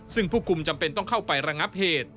ซึ่งผู้คุมจำเป็นต้องเข้าไประงับเหตุ